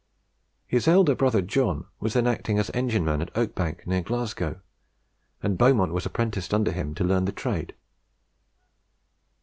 His elder brother John was then acting as engineman at Oakbank near Glasgow, and Beaumont was apprenticed under him to learn the trade.